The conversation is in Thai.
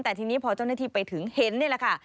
แต่ทีนี้พอเจ้าหน้าที่ไปถึงเห็นนี่แหละค่ะ